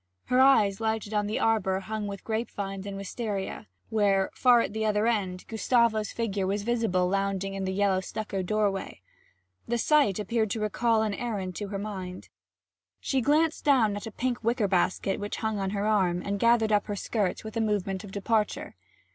Her eyes lighted on the arbour hung with grape vines and wistaria, where, far at the other end, Gustavo's figure was visible lounging in the yellow stucco doorway. The sight appeared to recall an errand to her mind. She glanced down at a pink wicker basket which hung on her arm, and gathered up her skirts with a movement of departure.